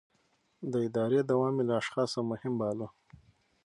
د ادارې دوام يې له اشخاصو مهم باله.